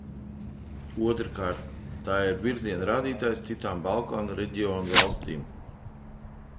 Otrkārt, tā ir virziena rādītājs citām Balkānu reģiona valstīm.